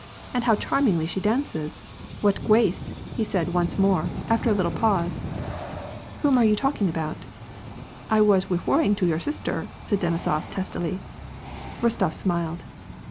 60 ^^^ A.ND PEACE. ^'And how charmingly she dances! What gwaoe!" he said once more, after a little pause. " Whom are you talking about ?"" I was refeVing to your sister," said Denisof, testily. Eostof smiled.